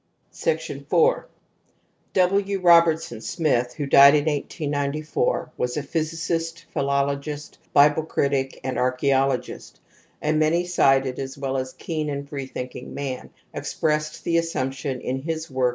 4 ^ W. Robertson Smith, who died in 1894, was a physicist, philologist, Bible critic, and archae ologist, a many sided as well as keen and free thinking man, expressed the assumption in his work.